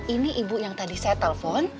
ini ibu yang tadi saya telepon